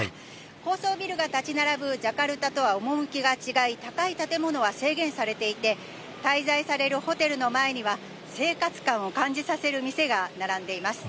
高層ビルが建ち並ぶジャカルタとは趣が違い、高い建物は制限されていて、滞在されるホテルの前には生活感を感じさせる店が並んでいます。